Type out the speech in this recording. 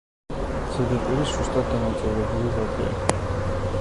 ზედაპირი სუსტად დანაწევრებული ვაკეა.